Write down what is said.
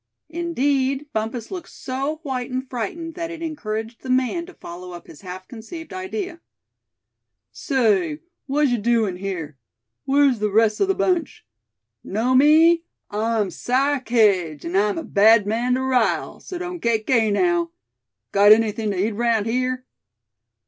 Indeed, Bumpus looked so white and frightened that it encouraged the man to follow up his half conceived idea. "Say, whaz yuh doin' here? Where's the rest o' the bunch? Know me? I'm Si Kedge, an' I'm a bad man to rile; so don't get gay now. Got anythin' to eat 'raound here?"